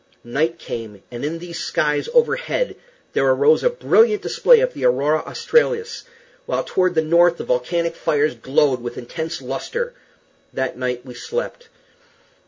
Night came, and in the skies overhead there arose a brilliant display of the aurora australis, while toward the north the volcanic fires glowed with intense lustre. That night we slept.